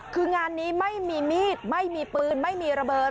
คนนี้ไม่มีมีดไม่มีปืนไม่มีละเบอร์